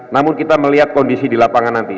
namun kita melihat kondisi di lapangan nanti